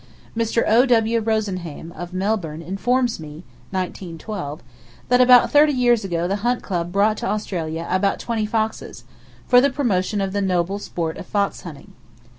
Mr. O.W. Rosenhain, of Melbourne, informs me (1912) that about thirty years ago the Hunt Club brought to Australia about twenty foxes, for the promotion of the noble sport of fox hunting.